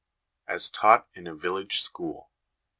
As taught in a Village School.